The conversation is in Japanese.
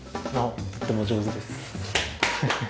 とても上手です。